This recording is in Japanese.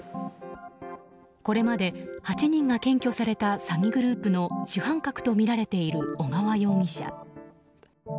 これまで８人が検挙された詐欺グループの主犯格とみられている小川容疑者。